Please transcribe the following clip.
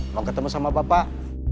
mau ketemu sama bapak